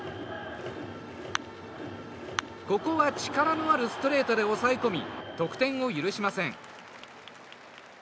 ここは力のあるストレートで抑え込み得点を許しません。